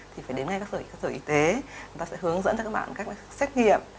thì phải đến ngay các sở y tế chúng ta sẽ hướng dẫn cho các bạn cách xét nghiệm